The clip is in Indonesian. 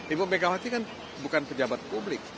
ibu megawati kan bukan pejabat publik